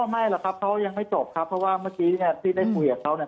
ไม่หรอกครับเขายังไม่จบครับเพราะว่าเมื่อกี้เนี่ยที่ได้คุยกับเขาเนี่ย